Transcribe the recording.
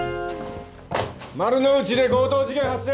丸の内で強盗事件発生。